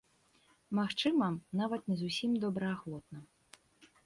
Магчыма, нават не зусім добраахвотна.